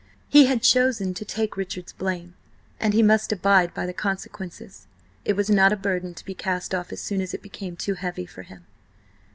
He had chosen to take Richard's blame and he must abide by the consequences. It was not a burden to be cast off as soon as it became too heavy for him.